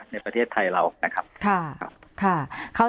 ในประเทศไทยเรานะครับ